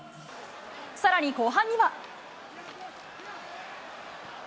さらに後半には。